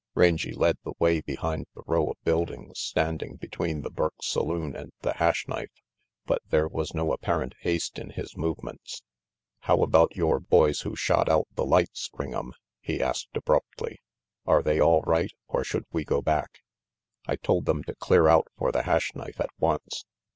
Rangy led the way behind the row of buildings standing between the Burke saloon and the Hash Knife, but there was no apparent haste in his movements. "How about your boys who shot out the lights, Ring'em?" he asked abruptly. "Are they all right, or should we go back?" "I told them to clear out for the Hash Knife at once.